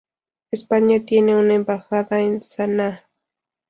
España tiene una embajada en Saná.